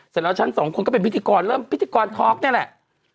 เสร็จแล้วฉันสองคนก็เป็นพิธีกรเริ่มพิธีกรท็อกนี่แหละ